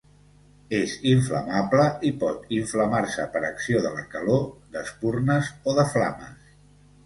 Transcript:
És inflamable i pot inflamar-se per acció de la calor, d'espurnes o de flames.